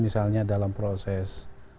misalnya dalam proses